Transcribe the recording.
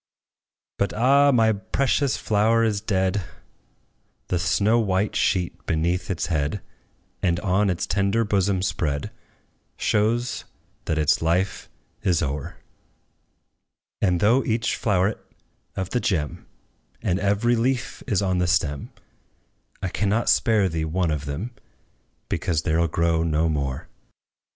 But, ah! my precious flower is dead: The snow white sheet beneath its head, And on its tender bosom spread, Shows that its life is o'er: And though each floweret of the gem, And every leaf, is on the stem, I cannot spare thee one of them, Because there 'll grow no more.